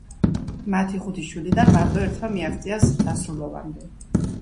მათი ხუთი შვილიდან მარტო ერთმა მიაღწია ზრდასრულობამდე